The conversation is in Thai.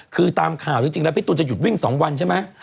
คือตามข่าวจริงแล้วพี่ตูนจะหยุดวิ่ง๒วันใช่ไหม